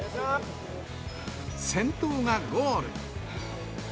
先頭がゴール。